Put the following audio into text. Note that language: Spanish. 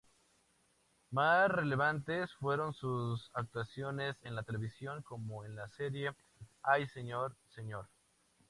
Más relevantes fueron sus actuaciones en televisión, como en la serie "¡Ay, señor, señor!